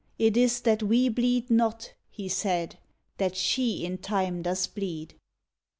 It is that we bleed not," he said, "That she in time does bleed.